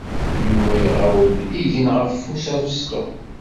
Yuba iɣawel igen ɣef wusu abesṭuḥ.